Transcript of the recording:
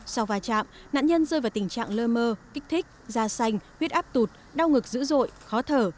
sau va chạm nạn nhân rơi vào tình trạng lơ mơ kích thích da xanh huyết áp tụt đau ngực dữ dội khó thở